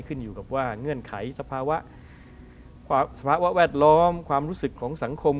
ขึ้นอยู่กับว่าเงื่อนไขสภาวะแวดล้อมความรู้สึกของสังคม